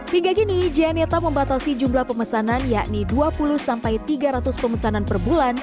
hingga kini janeta membatasi jumlah pemesanan yakni dua puluh sampai tiga ratus pemesanan per bulan